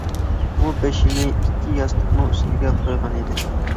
ئۇ بېشىنى ئىككى ياستۇقنىڭ ئۈستىگە قويغان ئىدى.